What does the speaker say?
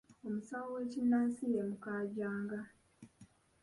Omusawo w'ekinnansi ye Mukaajanga.